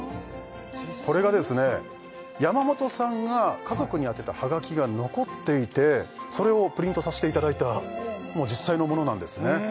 これがですね山本さんが家族に宛てたはがきが残っていてそれをプリントさせていただいた実際のものなんですねえ！